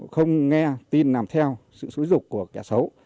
không nghe tin nằm theo sự sối rục của kẻ xấu